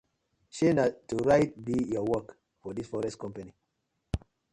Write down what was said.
Shey na to write bi yur work for dis forest company.